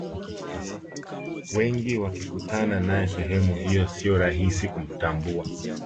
wengi wakikutana nae sehemu hiyo siyo rahisi kumtambua